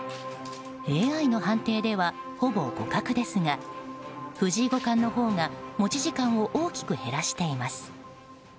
ＡＩの判定ではほぼ互角ですが藤井五冠のほうが持ち時間を大きく減らしています。